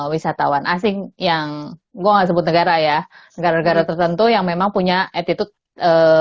wisatawan asing yang gue gak sebut negara ya negara negara tertentu yang memang punya attitude